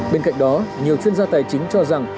bên cạnh đó nhiều chuyên gia tài chính cho rằng